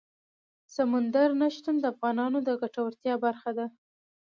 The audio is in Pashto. سمندر نه شتون د افغانانو د ګټورتیا برخه ده.